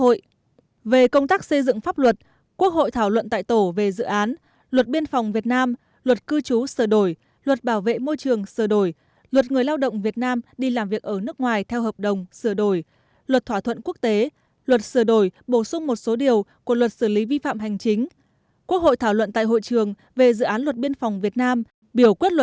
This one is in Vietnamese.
trong tuần làm việc quốc hội sẽ thảo luận tại hội trường về chương trình mục tiêu quốc gia về công tác xây dựng pháp luật quốc hội thảo luận tại tổ về dự án luật biên phòng việt nam luật cư trú sửa đổi luật bảo vệ môi trường sửa đổi luật người lao động việt nam đi làm việc ở nước ngoài theo hợp đồng sửa đổi luật thỏa thuận quốc tế luật sửa đổi bổ sung một số điều của luật xử lý vi phạm hành chính